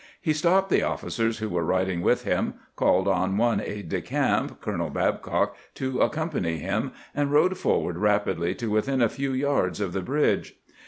He stopped the officers who were riding with him, called on one aide de camp. Colonel Babcock, to accompany him, and rode forward rapidly to within a few yards of the bridge.